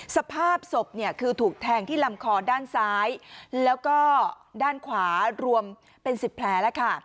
สภาพศพเนี่ยคือถูกแทงที่ลำคอด้านซ้ายแล้วก็ด้านขวารวมเป็น๑๐แผลแล้วค่ะ